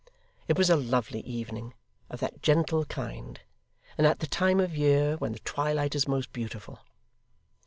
It was a lovely evening, of that gentle kind, and at that time of year, when the twilight is most beautiful.